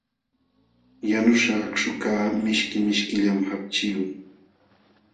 Yanuśhqa akśhukaq mishki mishkillam hapchiyuq.